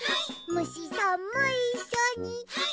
「むしさんもいっしょにハイ！